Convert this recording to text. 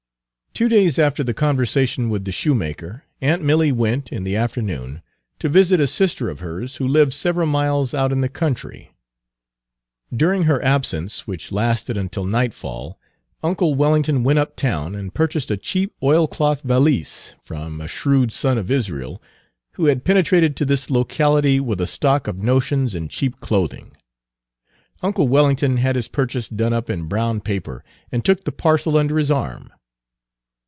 Two days after the conversation with the shoemaker, aunt Milly went, in the afternoon, to visit a sister of hers who lived several miles out in the country. During her absence, which lasted until nightfall, uncle Wellington went uptown and purchased a cheap oilcloth valise from a shrewd son of Israel, who had penetrated to this locality with a stock of notions and cheap clothing. Uncle Wellington had his purchase done up in brown paper, and took the parcel under his arm.